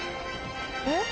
えっ？